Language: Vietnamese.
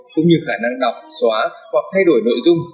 cũng như khả năng đọc xóa hoặc thay đổi nội dung